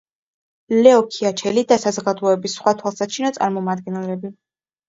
ლეო ქიაჩელი და საზოგადოების სხვა თვალსაჩინო წარმომადგენლები.